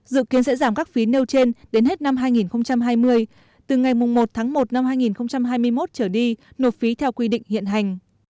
dự kiến sẽ giảm các phí nêu trên đến hết năm hai nghìn hai mươi từ ngày một tháng một năm hai nghìn hai mươi một trở đi nộp phí theo quy định hiện hành